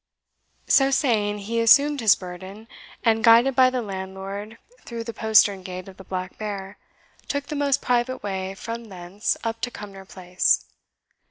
So saying, he assumed his burden, and, guided by the landlord through the postern gate of the Black Bear, took the most private way from thence up to Cumnor Place.